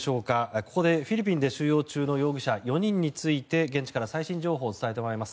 ここでフィリピンで収容中の容疑者４人について現地から最新情報を伝えてもらいます。